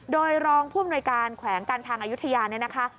โดยรองภูมิในการแขวงการทางอยุธยานี่นะคะ